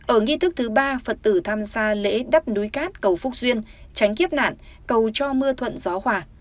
ở nghi thức thứ ba phật tử tham gia lễ đắp núi cát cầu phúc duyên tránh kiếp nạn cầu cho mưa thuận gió hòa